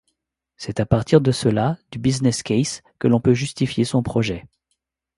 C'est à partir de cela, du business case, que l'on peut justifier son projet.